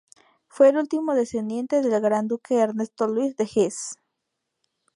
Fue el último descendiente del Gran Duque Ernesto Luis de Hesse.